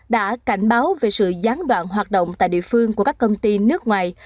đã cảnh báo về sự gián đoạn hoạt động tại địa phương của các công ty nước ngoài